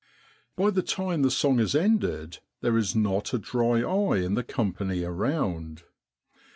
By the time the song is ended, there is not a dry eye in the company around.